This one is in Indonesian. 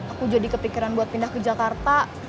aku jadi kepikiran buat pindah ke jakarta